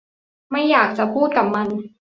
ไม่อยากจะพูดกับมัน